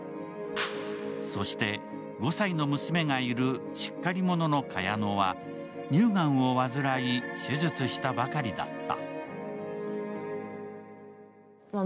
そして、５歳の娘がいるしっかり者の茅乃は乳がんを患い、手術したばかりだった。